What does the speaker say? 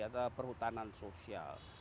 atau perhutanan sosial